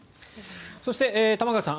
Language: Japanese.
そして玉川さん